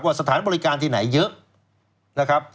สถานบริการที่ไหนเยอะนะครับ